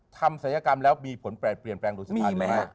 ทำศัลยกรรมแล้วมีผลแปลกเปลี่ยนแปลงโรชธาตุหรือไม่